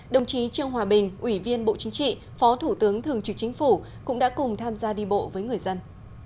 đồng chí trương hòa bình ủy viên bộ chính trị phó thủ tướng thường trực chính phủ cũng đã cùng tham gia đi bộ với người dân